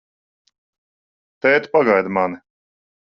Tēt, pagaidi mani!